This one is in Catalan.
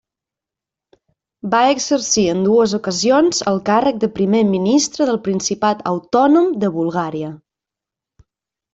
Va exercir en dues ocasions el càrrec de primer ministre del Principat autònom de Bulgària.